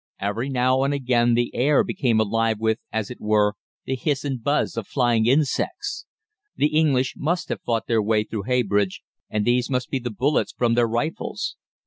Every now and again the air became alive with, as it were, the hiss and buzz of flying insects. The English must have fought their way through Heybridge, and these must be the bullets from their rifles.